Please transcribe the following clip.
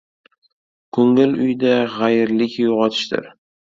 Ko‘ngil uyida g‘ayirlik uyg‘otishdir.